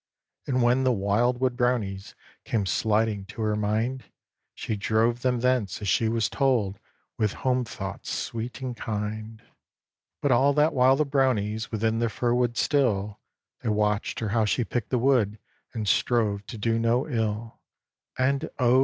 And when the wildwood Brownies Came sliding to her mind, She drove them thence, as she was told, With home thoughts sweet and kind. But all that while the Brownies Within the fir wood still, They watched her how she picked the wood, And strove to do no ill. "And oh!